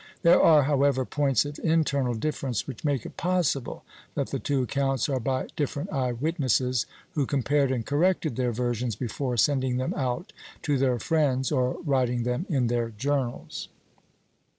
There are, however, points of internal difference which make it possible that the two accounts are by different eye witnesses, who compared and corrected their versions before sending them out to their friends or writing them in their journals.